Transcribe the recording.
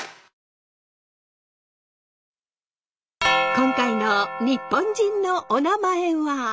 今回の「日本人のおなまえ」は。